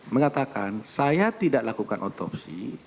mengatakan saya tidak lakukan otopsi